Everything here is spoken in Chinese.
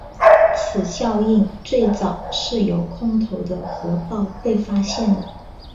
此效应最早是由空投的核爆被发现的。